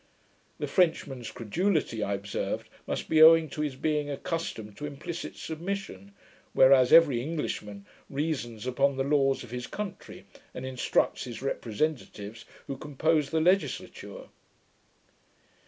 The Frenchman's credulity, I observed, must be owing to his being accustomed to implicit submission; whereas every Englishman reasons upon the laws of his country, and instructs his representatives, who compose the legislature.